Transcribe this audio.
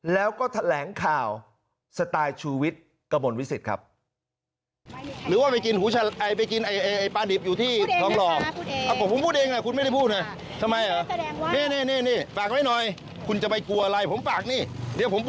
แล้วก็แถลงข่าวสไตล์ชูวิทย์กระมวลวิสิตครับ